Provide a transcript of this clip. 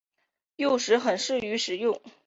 幼鱼很适合食用。